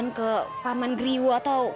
bantuan ke paman griwo atau